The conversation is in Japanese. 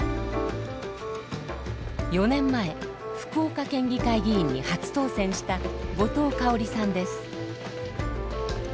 ４年前福岡県議会議員に初当選した後藤香織さんです。